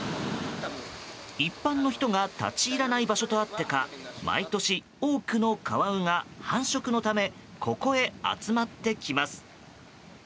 一般の人が立ち入らない場所とあってか毎年多くのカワウが、繁殖のためここへ集まってきます。